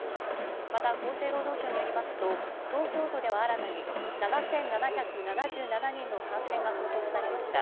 また厚生労働省によりますと東京都では新たに７７７７人の感染が報告されました。